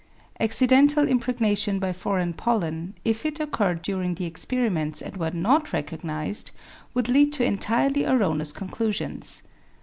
Accidental impregnation by foreign pollen, if it occurred during the experiments and were not recognized, would lead to entirely erroneous conclusions.